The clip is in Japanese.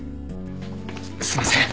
すいません。